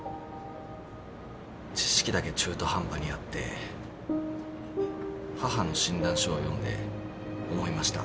知識だけ中途半端にあって母の診断書を読んで思いました。